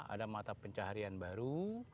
ada mata pencaharian baru